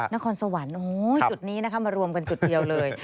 นครสวรรค์จุดนี้นะคะมารวมกันจุดเดียวเลย